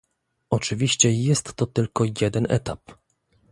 Oczywiście jest to tylko jeden etap